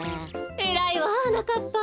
えらいわはなかっぱ。